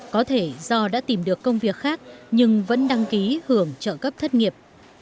có thể do đã tìm được công việc khác nhưng vẫn đăng ký hưởng trợ cấp thất nghiệp